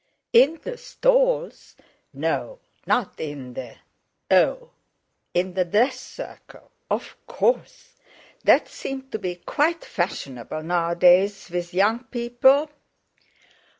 "In the stalls?" "No, not in the...." "Oh! in the dress circle, of course. That seemed to be quite fashionable nowadays with young people!"